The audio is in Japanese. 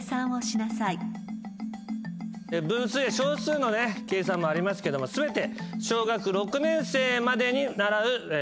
分数や小数の計算もありますけども全て。